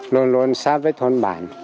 luôn luôn sắp với thôn bản